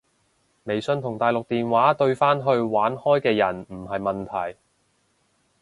微信同大陸電話對返去玩開嘅人唔係問題